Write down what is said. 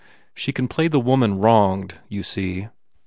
She can play the woman wronged, you see?"